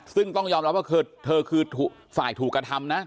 ซึ่งต้องยอมรับว่าเธอคือฝ่ายถูกกระทำนะ